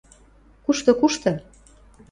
– Кушты, кушты.